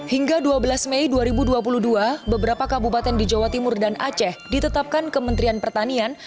hingga dua belas mei dua ribu dua puluh dua beberapa kabupaten di jawa timur dan aceh ditetapkan kementerian pertanian